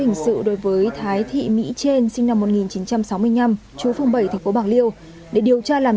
hình sự đối với thái thị mỹ trên sinh năm một nghìn chín trăm sáu mươi năm chú phường bảy thành phố bạc liêu để điều tra làm